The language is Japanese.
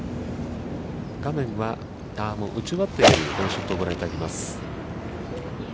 画面は、もう打ち終わっているこのショットをご覧いただきます。